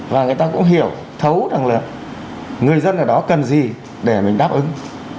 và người ta cũng hiểu thấu thẳng lượng người dân ở đó cần gì để mình đáp ứng